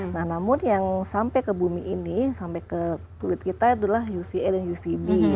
nah namun yang sampai ke bumi ini sampai ke kulit kita adalah uva dan uvb